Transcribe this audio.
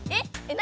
何？